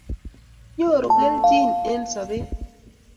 nyoru kelchin eng sobet